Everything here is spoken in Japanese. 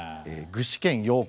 具志堅用高。